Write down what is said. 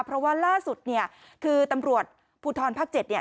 เพราะว่าล่าสุดเนี่ยคือตำรวจภูทรภาค๗เนี่ย